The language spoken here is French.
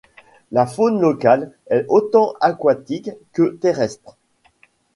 La faune locale est autant aquatique que terrestre.